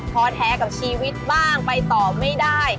พอแท้กับชีวิตบ้างไปต่อไม่ได้